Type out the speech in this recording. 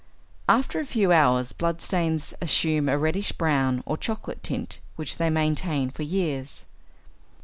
After a few hours blood stains assume a reddish brown or chocolate tint, which they maintain for years.